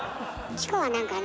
チコは何かね